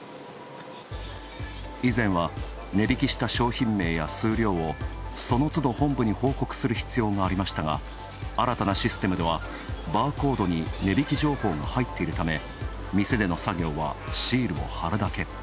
以前は値引きした数量をその都度、本部に報告する必要がありましたが、新たなシステムではバーコードに値引き情報が入っているため、店での作業はシールを貼るだけ。